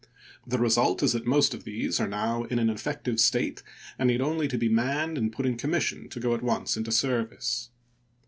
The result is that most of these are now in an effective state and need only to be manned and put in commission to go at once into service.